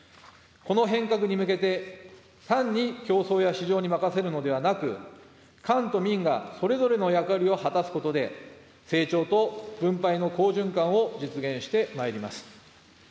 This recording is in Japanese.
この変革に向けて、単に競争や市場に任せるのではなく、官と民がそれぞれの役割を果たすことで、成長と分配の好循環を実現してまいります。